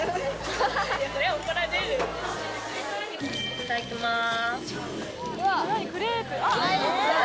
いただきます。